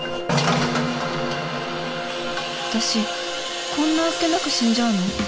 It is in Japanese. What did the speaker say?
私こんなあっけなく死んじゃうの？